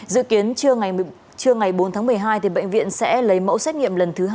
dự kiến trưa ngày bốn tháng một mươi hai bệnh viện sẽ lấy mẫu xét nghiệm lần thứ hai